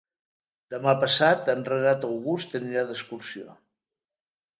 Demà passat en Renat August anirà d'excursió.